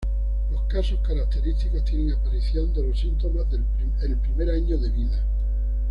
Los casos característicos tienen aparición de los síntomas el primer año de vida.